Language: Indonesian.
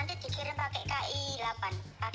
nanti dikirim pakai ki delapan pakai kereta